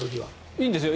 いいんですよ。